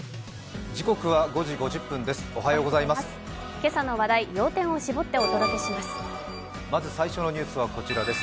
今朝の話題、要点を絞ってお届けします。